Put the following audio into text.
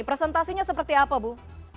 presentasinya seperti apa bu